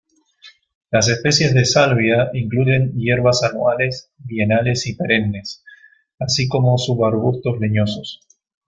Las especies de "Salvia" incluyen hierbas anuales, bienales y perennes, así como subarbustos leñosos.